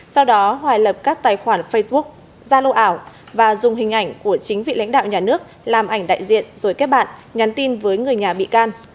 sau đó hoài lập các tài khoản facebook ra lô ảo và dùng hình ảnh của chính vị lãnh đạo nhà nước làm ảnh đại diện rồi kết bạn nhắn tin với người nhà bị can